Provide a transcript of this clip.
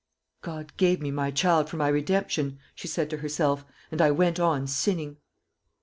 "God gave me my child for my redemption," she said to herself, "and I went on sinning."